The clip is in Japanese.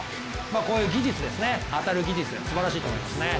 こういう技術ですね当たる技術すばらしいと思います。